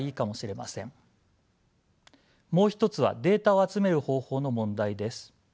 もう一つはデータを集める方法の問題です。